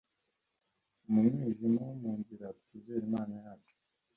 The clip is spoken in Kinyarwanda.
Mu mwijima wo mu nzira, twizer' Imana yacu.